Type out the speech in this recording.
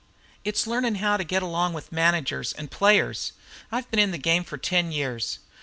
"It's learning how to get along with managers and players. I've been in the game ten years.